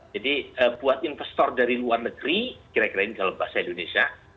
jadi buat investor dari luar negeri kira kira ini dalam bahasa indonesia